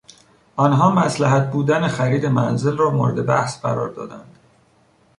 آنها مصلحت بودن خرید منزل را مورد بحث قرار دادند.